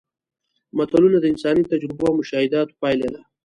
متلونه د انساني تجربو او مشاهداتو پایله ده